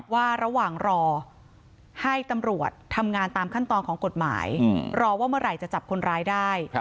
ว่าระหว่างรอให้ตำรวจทำงานตามขั้นตอนของกฎหมายรอว่าเมื่อไหร่จะจับคนร้ายได้